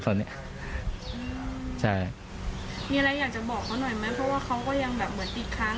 ตอนนี้ใช่มีอะไรอยากจะบอกเขาหน่อยไหมเพราะว่าเขาก็ยังแบบเหมือนอีกครั้ง